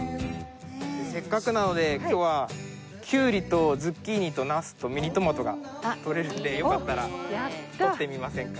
せっかくなので今日はきゅうりとズッキーニとナスとミニトマトがとれるのでよかったらとってみませんか？